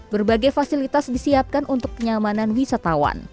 berbagai fasilitas disiapkan untuk kenyamanan wisatawan